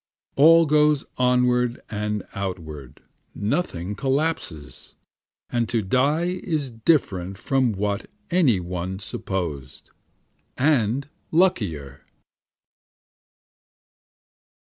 All goes onward and outward, nothing collapses, And to die is different from what any one supposed, and luckier.